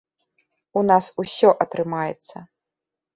У нас усё атрымаецца!